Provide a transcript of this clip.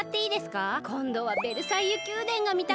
こんどはベルサイユ宮殿がみたくて。